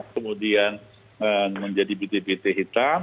kemudian menjadi piti piti hitam